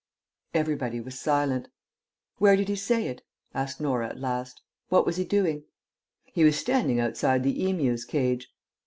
Everybody was silent. "Where did he say it?" asked Norah at last. "What was he doing?" "He was standing outside the Emu's cage."